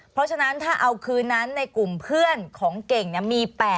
เพราะฉะนั้นถ้าเอาคืนนั้นในกลุ่มเพื่อนของเก่งมี๘